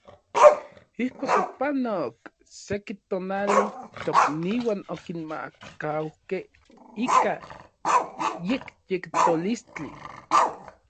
Ijkuak opanok seki tonali, tokniuan okinmaakaukej ika yekyetolistli.